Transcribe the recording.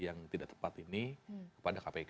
yang tidak tepat ini kepada kpk